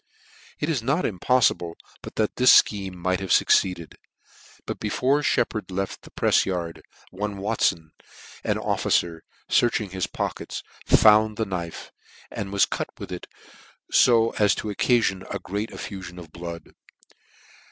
It is not impoffible but that this fcheme might have fucceeded; but before Sheppard left the prefs yard, one Watfon, an officer, fearching his pockets, found the knife and was cut with it, fo as to occafion a great effufion of blood.